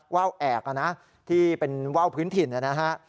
ว่าวแอกนะที่เป็นว่าวพื้นถิ่นนะฮะ